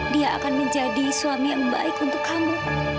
dia akan menjadi suami yang baik untuk kamu